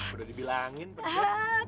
udah dibilangin pedas